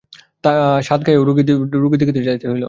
সাতগাঁয়ে রোগীও দেখিতে যাইতে হইল।